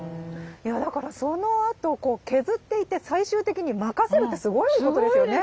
だからそのあとこう削っていって最終的に任せるってすごいことですよね。